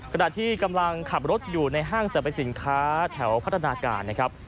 ขณะที่กำลังขับรถอยู่ในห้างสรรพสินค้าแถวพัฒนาการนะครับ